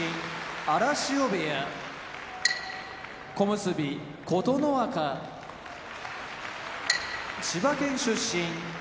荒汐部屋小結・琴ノ若千葉県出身佐渡ヶ嶽部屋